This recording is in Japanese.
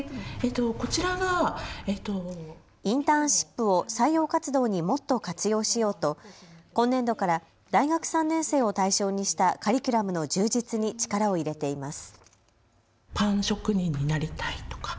インターンシップを採用活動にもっと活用しようと今年度から大学３年生を対象にしたカリキュラムの充実に力を入れています。